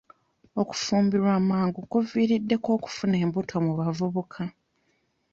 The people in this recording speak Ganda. Okufumbirwa amangu kuviiriddeko okufuna embuto mu bavubuka.